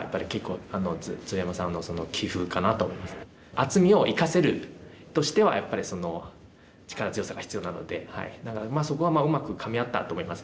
厚みを生かせるとしてはやっぱり力強さが必要なのでだからそこはうまくかみ合ったと思います